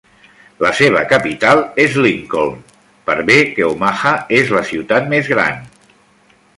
La seva capital és Lincoln, per bé que Omaha és la ciutat més gran.